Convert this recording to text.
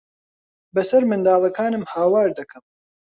بەسەر منداڵەکانم ھاوار دەکەم.